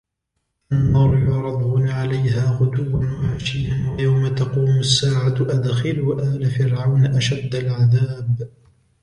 النَّارُ يُعْرَضُونَ عَلَيْهَا غُدُوًّا وَعَشِيًّا وَيَوْمَ تَقُومُ السَّاعَةُ أَدْخِلُوا آلَ فِرْعَوْنَ أَشَدَّ الْعَذَابِ